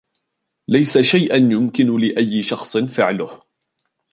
ليس شيئًا يمكن لأيّ شخص فعله.